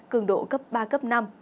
cường độ cấp ba cấp năm